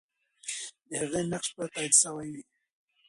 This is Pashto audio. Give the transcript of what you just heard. د هغې نقش به تایید سوی وي.